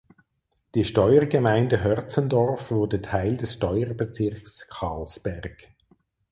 Die Steuergemeinde Hörzendorf wurde Teil des Steuerbezirks Karlsberg.